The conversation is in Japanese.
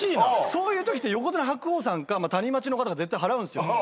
そういうときって横綱白鵬さんかタニマチの方が絶対払うんですよ。